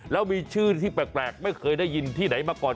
แล้วมีชื่อที่แปลกไม่เคยได้ยินที่ไหนมาก่อน